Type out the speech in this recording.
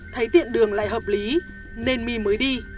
thấy tiện đường lại hợp lý nên my mới đi